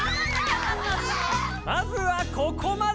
まずはここまで。